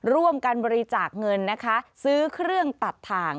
ร่วมกันบริจาคเงินนะคะซื้อเครื่องตัดทาง